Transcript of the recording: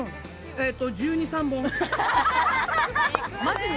１２１３本。